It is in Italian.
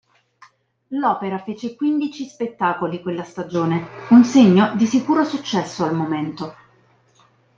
L'opera fece quindici spettacoli quella stagione, un segno di sicuro successo al momento.